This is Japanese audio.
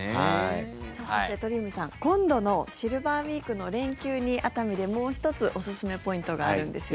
そして、鳥海さん今度のシルバーウィークの連休に熱海でもう１つおすすめポイントがあるんですよね。